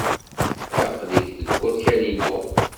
Aql-ik deg wakal-inu.